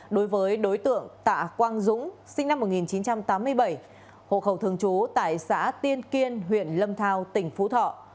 đối với đối tượng tạ quang dũng sinh năm một nghìn chín trăm tám mươi bảy hộ khẩu thường trú tại xã tiên kiên huyện lâm thao tỉnh phú thọ